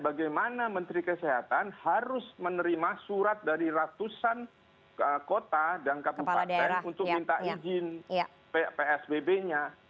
bagaimana menteri kesehatan harus menerima surat dari ratusan kota dan kabupaten untuk minta izin psbb nya